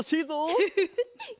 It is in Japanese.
フフフ。